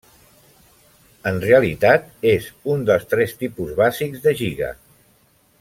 En realitat és un dels tres tipus bàsics de giga.